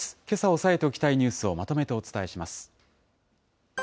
けさ押さえておきたいニュースをまとめてお伝えします。